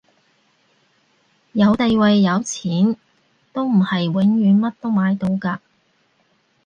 有地位有錢都唔係永遠乜都買到㗎